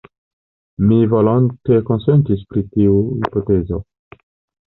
Mi volonte konsentis pri tiu hipotezo.